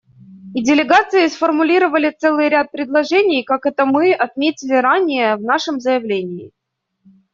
И делегации сформулировали целый ряд предложений, как это мы отметили ранее в нашем заявлении.